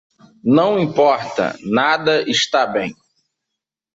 Não importa, nada está bem.